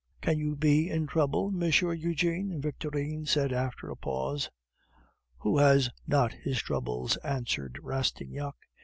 "Can you be in trouble, M. Eugene?" Victorine said after a pause. "Who has not his troubles?" answered Rastignac.